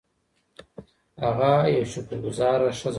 هغه یوه شکر ګذاره ښځه وه.